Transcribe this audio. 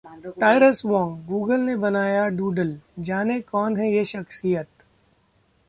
Tyrus Wong: Google ने बनाया doodle, जानें- कौन हैं ये शख्सियत